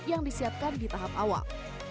yang disiapkan di tahap awal